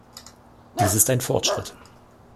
Dies ist ein Fortschritt.